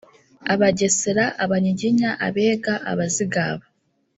abagesera abanyiginya abega abazigaba